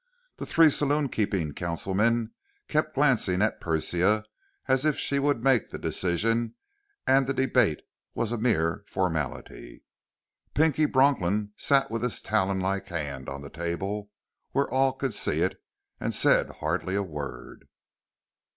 The three saloonkeeping councilmen kept glancing at Persia as if she would make the decision and the debate was a mere formality. Pinky Bronklin sat with his talonlike hand on the table where all could see it and said hardly a word.